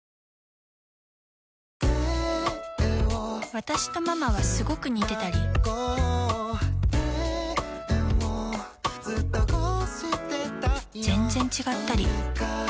私とママはスゴく似てたり全然違ったりあ゛ーーー！